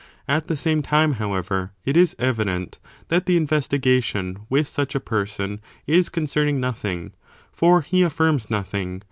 At the same time, however, it is evident that the investigation with such a person is con cerning nothing ; for he affirms nothing.